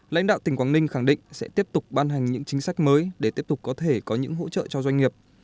lãnh đạo tỉnh quảng ninh khẳng định sẽ tiếp tục ban hành những chính sách mới để tiếp tục có thể có những hỗ trợ cho doanh nghiệp